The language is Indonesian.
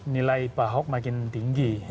nilai pak ahok makin tinggi